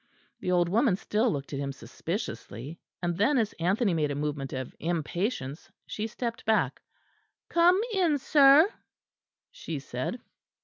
The old woman still looked at him suspiciously; and then, as Anthony made a movement of impatience, she stepped back. "Come in, sir," she said.